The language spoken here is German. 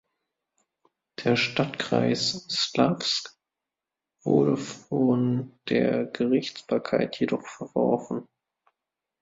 Der "Stadtkreis Slawsk" wurde von der Gerichtsbarkeit jedoch verworfen.